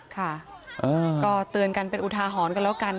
ค่ะก็เตือนกันเป็นอุทาหรณ์กันแล้วกัน